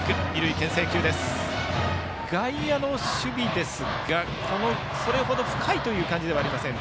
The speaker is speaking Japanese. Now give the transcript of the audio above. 外野の守備ですがそれほど深い感じではありません。